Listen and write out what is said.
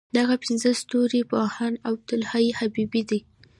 دغه پنځه ستوري پوهاند عبدالحی حبیبي دی.